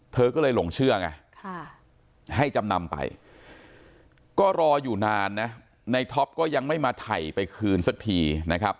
เธอก็เลยหลงเชื่อไงให้จำนำไปก็รออยู่นานนะในท็อปก็ยังไม่มาถ่ายไปคืนสักทีนะครับ